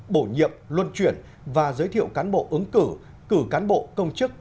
bổ nhiệm luân chuyển và giới thiệu cán bộ ứng cử cử cán bộ công chức